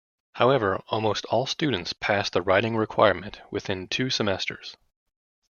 However, almost all students pass the writing requirement within two semesters.